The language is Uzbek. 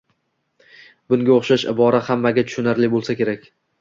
Bunga o‘xshash ibora hammaga tushunarli bo‘lsa kerak.